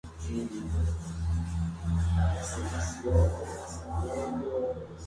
Tras el traspaso, hubo incluso disturbios en las calles de Florencia.